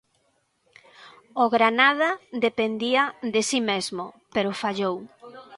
O Granada dependía de si mesmo, pero fallou.